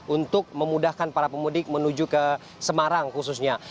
untuk memudahkan para pemudik menuju ke semarang khususnya